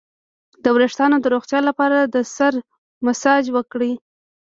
د ویښتو د روغتیا لپاره د سر مساج وکړئ